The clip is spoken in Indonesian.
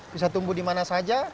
bisa tumbuh di mana saja